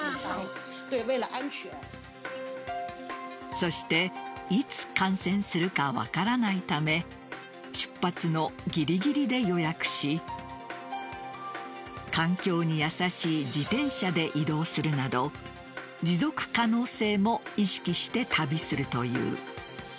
そして、いつ感染するか分からないため出発のぎりぎりで予約し環境に優しい自転車で移動するなど持続可能性も意識して旅するという。